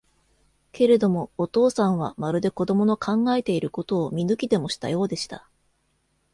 けれども、お父さんは、まるで子供の考えていることを見抜きでもしたようでした。